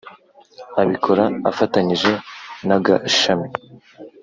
Abikora afatanyije n’Agashami